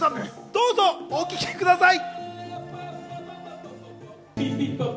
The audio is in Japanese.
どうぞお聞きください。